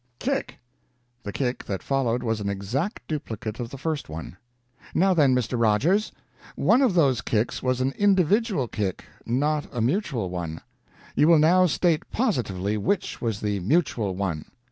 "Kick!" The kick that followed was an exact duplicate of the first one. "Now, then, Mr. Rogers, one of those kicks was an individual kick, not a mutual one. You will now state positively which was the mutual one."